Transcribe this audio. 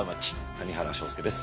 谷原章介です。